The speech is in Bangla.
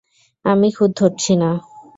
আমি খুঁত ধরছি না।